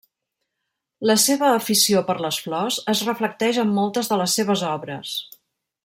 La seva afició per les flors es reflecteix en moltes de les seves obres.